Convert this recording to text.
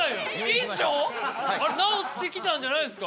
院長⁉なおってきたんじゃないですか？